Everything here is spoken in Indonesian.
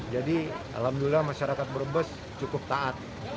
jadi alhamdulillah masyarakat brebes cukup taat